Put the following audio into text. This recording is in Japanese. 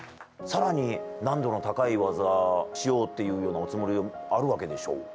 さらに難度の高い技をしようっていうようなおつもりがあるわけでしょ。